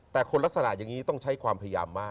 แต่คนลักษณะอย่างนี้ต้องใช้ความพยายามมาก